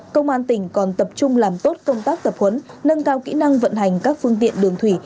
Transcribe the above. công an tỉnh còn tập trung làm tốt công tác tập huấn nâng cao kỹ năng vận hành các phương tiện đường thủy